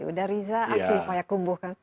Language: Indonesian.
udah riza asli payakumbuh kan